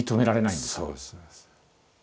そうですそうです。